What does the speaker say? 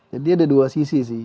jadi ada dua sisi sih